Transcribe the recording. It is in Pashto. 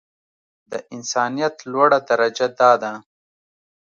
د انسانيت لوړه درجه دا ده.